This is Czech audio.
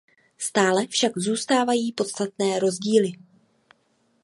Stále však zůstávají podstatné rozdíly.